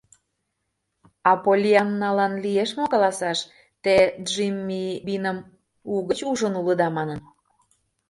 — А Поллианналан лиеш мо каласаш... те Джимми Биным угыч ужын улыда манын?